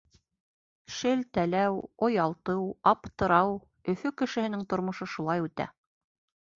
Шелтәләү, оялтыу, аптырау... Өфө кешеһенең тормошо шулай үтә.